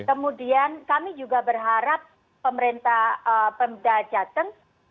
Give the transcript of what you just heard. kemudian kami juga berharap pemerintah pemda jateng